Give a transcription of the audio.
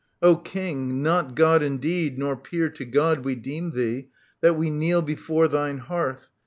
O King, not God indeed nor peer to God We deem thee, that we kneel before thine hearth.